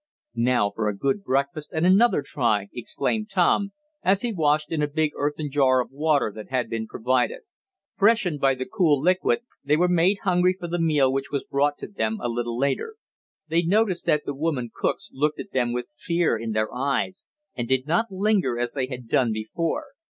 "Now for a good breakfast, and another try!" exclaimed Tom, as he washed in a big earthen jar of water that had been provided. Freshened by the cool liquid, they were made hungry for the meal which was brought to them a little later. They noticed that the women cooks looked at them with fear in their eyes, and did not linger as they had done before.